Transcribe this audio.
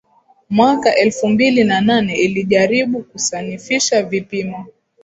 Mwaka elfu mbili na nane ilijaribu kusanifisha vipimo